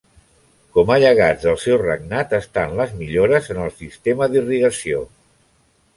Com a llegats del seu regnat estén les millores en el sistema d'irrigació.